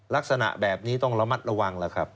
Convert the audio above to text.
ลักษณะแบบนี้ต้องระมัดระวังแล้วครับ